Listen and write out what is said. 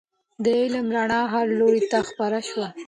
د علم رڼا هر لوري ته خپره سوه.